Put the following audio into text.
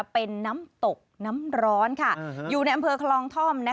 เป็นน้ำตกน้ำร้อนอยู่ในอำเภอคลองท่อม